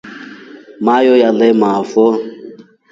Maiyo nyameelafo.